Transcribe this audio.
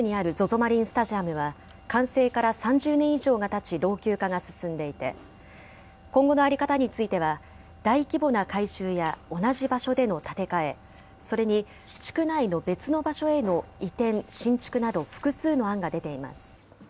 マリンスタジアムは、完成から３０年以上がたち、老朽化が進んでいて、今後の在り方については、大規模な改修や同じ場所での建て替え、それに地区内の別の場所への移転・新築など、複数の案が出ています。